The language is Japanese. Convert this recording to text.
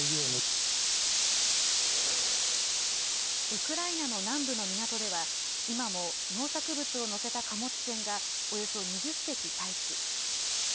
ウクライナの南部の港では、今も農作物を載せた貨物船が、およそ２０隻待機。